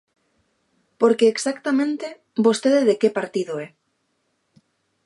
Porque, exactamente, ¿vostede de que partido é?